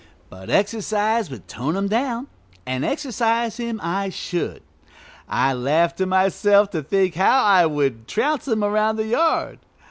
But exercise would tone him down, and exercise him I should. I laughed to myself to think how I would trounce him around the yard.